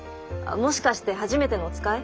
もしかしてはじめてのおつかい？